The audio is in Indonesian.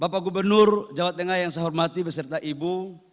bapak gubernur jawa tengah yang saya hormati beserta ibu